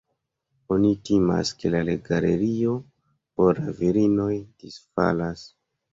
Oni timas, ke la galerio por la virinoj disfalas.